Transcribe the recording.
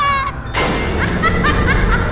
aduh tebel banget